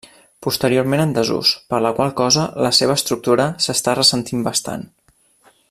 Posteriorment en desús, per la qual cosa la seva estructura s'està ressentint bastant.